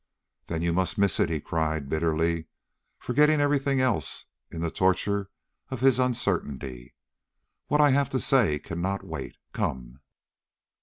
"Then you must miss it," he cried, bitterly, forgetting every thing else in the torture of his uncertainty. "What I have to say cannot wait. Come!"